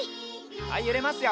はいゆれますよ。